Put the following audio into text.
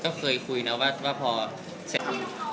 ก็เคยคุยนะว่าพอเสร็จ